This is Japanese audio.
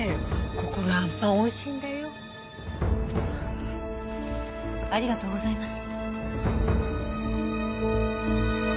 ここのあんぱんおいしいんだよありがとうございます